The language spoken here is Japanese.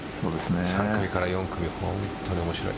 ３組から４組、本当に面白い。